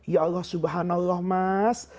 ya allah subhanallah mas